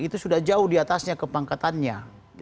itu sudah jauh diatasnya kepangkatannya